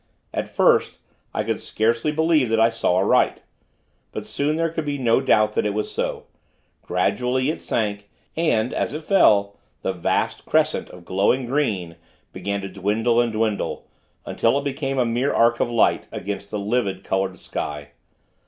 At first, I could scarcely believe that I saw aright; but soon there could be no doubt that it was so. Gradually, it sank, and, as it fell, the vast crescent of glowing green, began to dwindle and dwindle, until it became a mere arc of light, against the livid colored sky.